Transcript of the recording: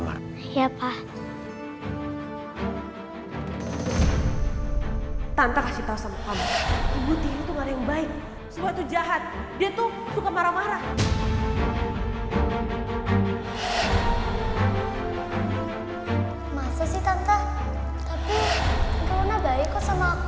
masa sih tante tapi ga pernah baik kok sama aku